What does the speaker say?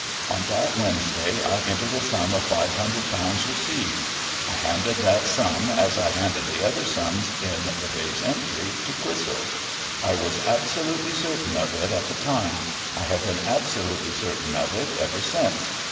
On that Wednesday I entered a sum of five hundred i)ounds received. I handed that sum, as I handed the other sums in the day's entry, to Clissold. I was absolutely certain of it at the time ; I have been absolutely certain of it ever since.